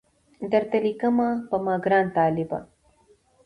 درته لیکمه پر ما ګران طالبه